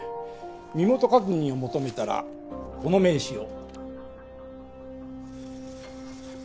身元確認を求めたらこの名刺を。